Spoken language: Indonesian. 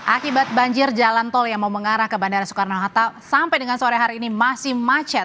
akibat banjir jalan tol yang mau mengarah ke bandara soekarno hatta sampai dengan sore hari ini masih macet